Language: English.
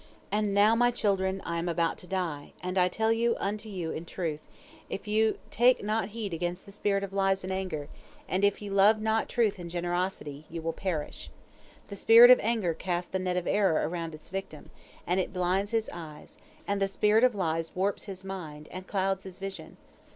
"And now, my children, I am about to die, and I tell it unto you in truth, if you take not heed against the spirit of lies and anger, and if ye love not truth and generosity, you will perish. The spirit of anger casts the net of error around its victim, and it blinds his eyes, and the spirit of lies warps his mind, and clouds his vision.